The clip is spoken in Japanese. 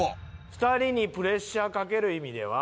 ２人にプレッシャーかける意味では。